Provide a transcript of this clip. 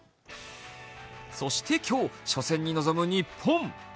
そして今日、初戦に臨む日本。